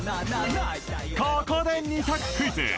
ここで２択クイズ